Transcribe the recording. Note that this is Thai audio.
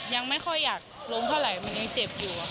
ยังไม่ค่อยอยากลงเท่าไหร่มันยังเจ็บอยู่